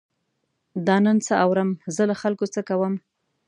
دا نن څه اورم، زه له خلکو څه کوم.